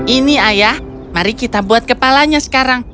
ini ayah mari kita buat kepalanya sekarang